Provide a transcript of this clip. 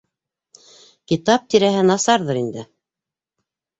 Китап тирәһе насарҙыр инде?